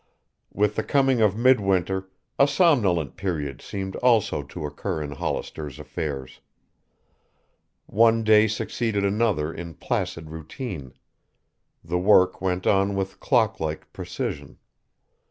With the coming of midwinter a somnolent period seemed also to occur in Hollister's affairs. One day succeeded another in placid routine. The work went on with clock like precision.